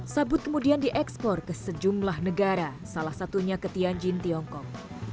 sabut kemudian diekspor ke sejumlah negara salah satunya ke tianjin tiongkok